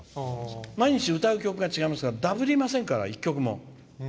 毎日、歌う曲が違いますがダブりませんから１曲も。